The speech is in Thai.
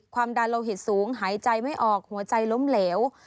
ความดันโลหิตสูงหายใจไม่ออกหัวใจล้มเหลว